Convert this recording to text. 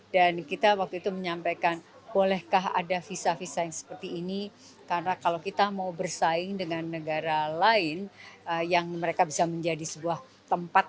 dan kita waktu itu menyampaikan bolehkah ada visa visa yang seperti ini karena kalau kita mau bersaing dengan negara lain yang mereka bisa menjadi sebuah tempat